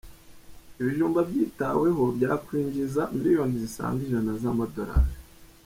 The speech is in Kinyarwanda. Ibijumba byitaweho byakwinjiza Miliyoni zisaga ijana z’amadolari